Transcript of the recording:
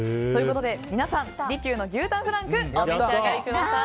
皆さん、利久の牛たんフランクお召し上がりください！